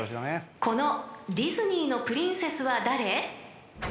［このディズニーのプリンセスは誰？］